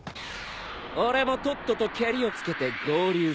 俺もとっととけりをつけて合流する。